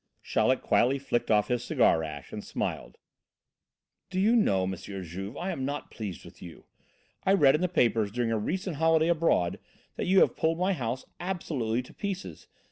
Chaleck quietly flicked off his cigar ash and smiled: "Do you know, M. Juve, I am not pleased with you. I read in the papers, during a recent holiday abroad, that you had pulled my house absolutely to pieces!